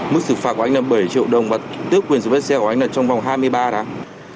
mức sự phạt của anh là bảy triệu đồng và tước quyền sử dụng xe của anh là trong vòng hai mươi ba đáng